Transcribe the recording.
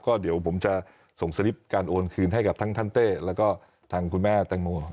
ก็เดี๋ยวผมจะส่งสลิปการโอนคืนให้กับทั้งท่านเต้แล้วก็ทางคุณแม่แตงโม